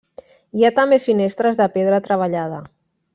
Hi ha també finestres de pedra treballada.